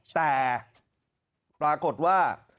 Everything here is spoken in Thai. แต่ปรากฏว่า